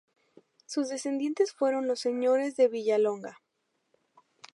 Sus descendientes fueron los señores de Villalonga.